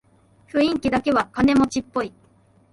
雰囲気だけは金持ちっぽい